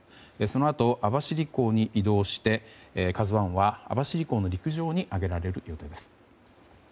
そのあと、網走港に移動して「ＫＡＺＵ１」は網走港の陸上に揚げられるということです。